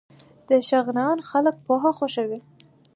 د شغنان خلک پوهه خوښوي